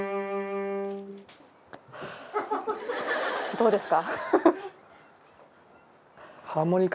どうですか？